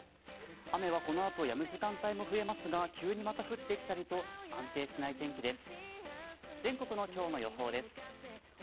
雨はこのあとやむ時間帯も増えますが急にまた降ってきたりと安定しない天気です。